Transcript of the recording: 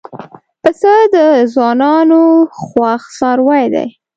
پسه د ځوانانو خوښ څاروی دی.